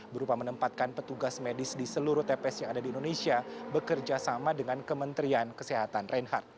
berupa menempatkan petugas medis di seluruh tps yang ada di indonesia bekerja sama dengan kementerian kesehatan reinhardt